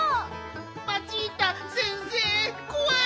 マチータ先生こわい！